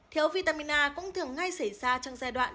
thiếu vitamin a cũng thường ngay xảy ra trong giai đoạn